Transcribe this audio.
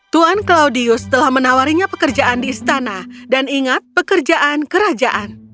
tuan claudius telah menawarinya pekerjaan di istana dan ingat pekerjaan kerajaan